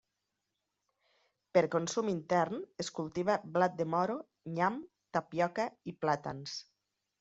Per consum intern es cultiva blat de moro, nyam, tapioca i plàtans.